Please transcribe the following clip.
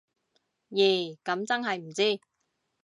咦噉真係唔知